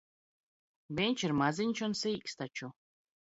Viņš ir maziņš un sīks taču.